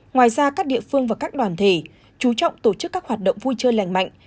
ngoài ra các địa phương và các đoàn thể chú trọng tổ chức các hoạt động vui chơi lành mạnh